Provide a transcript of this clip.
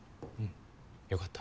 うんよかった。